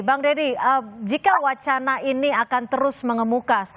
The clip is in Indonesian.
bang deddy jika wacana ini akan terus mengemuka